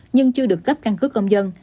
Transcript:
nhưng chưa được cấp căn cứ công dân